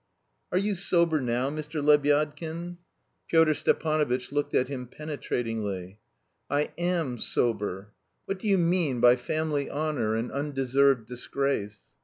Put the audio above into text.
"Are you sober now, Mr. Lebyadkin?" Pyotr Stepanovitch looked at him penetratingly. "I am... sober." "What do you mean by family honour and undeserved disgrace?"